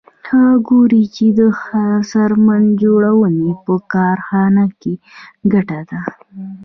هغه ګوري چې د څرمن جوړونې په کارخانه کې ګټه ده